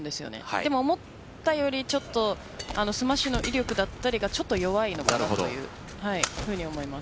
でも思ったよりちょっとスマッシュの威力だったりが弱いのかなと思います。